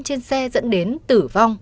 trên xe dẫn đến tử vong